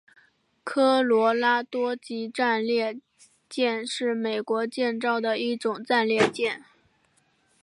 科罗拉多级战列舰是美国建造的一种战列舰。